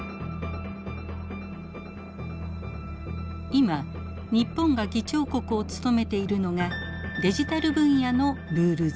今日本が議長国を務めているのがデジタル分野のルール作り。